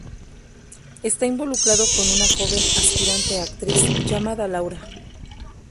Está involucrado con una joven aspirante a actriz llamada Laura.